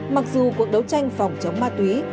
mặc dù cuộc đấu tranh phòng chống ma túy